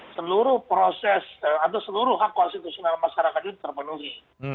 seluruh proses atau seluruh hak konstitusional masyarakat itu terpenuhi